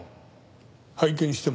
拝見しても？